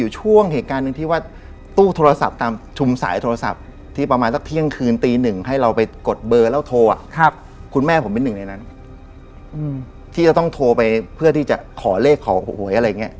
เจ้าที่บ้านบอมเนี่ย